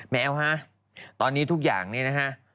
แมวฮะตอนนี้ทุกอย่างนี้นะฮะ